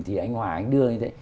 thì anh hoàng anh đưa như thế